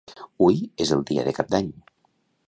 Hui és el dia de cap d'any.